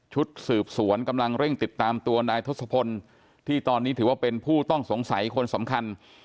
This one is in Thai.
ชุดสืบสวนกำลังเร่งติดตามตัวนายทศพลที่ตอนนี้ถือว่าเป็นผู้ต้องสงสัยคนสำคัญ